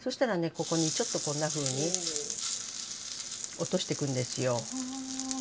ここにちょっとこんなふうに落としてくんですよ。